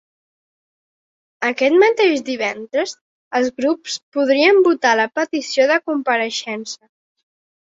Aquest mateix divendres els grups podrien votar la petició de compareixença.